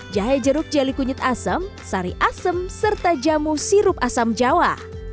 jahe jeruk jeli kunyit asem sari asem serta jamu sirup asam jawa